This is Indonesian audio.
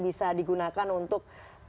bisa digunakan untuk